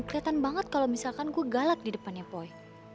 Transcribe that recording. keliatan banget kalau misalkan gue galak di depannya boy